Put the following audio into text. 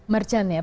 merchant ya pak ya